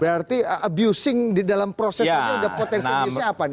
berarti abusing di dalam proses itu ada potensi apa